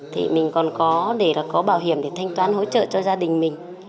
thì mình còn có để là có bảo hiểm để thanh toán hỗ trợ cho gia đình mình